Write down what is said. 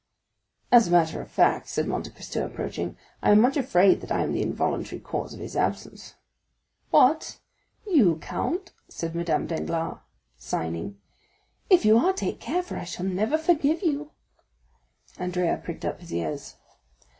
"As a matter of fact," said Monte Cristo, approaching, "I am much afraid that I am the involuntary cause of his absence." "What, you, count?" said Madame Danglars, signing; "if you are, take care, for I shall never forgive you." Andrea pricked up his ears.